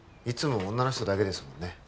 いつも女の人だけですもんね